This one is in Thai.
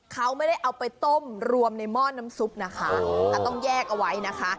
เขาไม่ได้เอาไปต้มรวมในหม้อน้ำซุปนะคะต้องแยกเอาไว้นะคะ